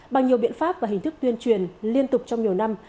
bằng nhiều biện pháp và hình thức tuyên truyền liên tục trong nhiều năm